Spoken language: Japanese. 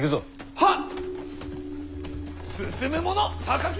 はっ！